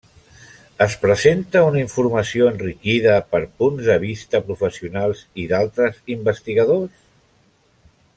Es presenta una informació enriquida per punts de vista professionals i d'altres investigadors?